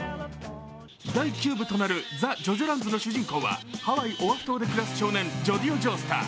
第９部となる「ＴｈｅＪＯＪＯＬａｎｄｓ」の主人公はハワイ・オアフ島で暮らす少年ジョディオ・ジョースター。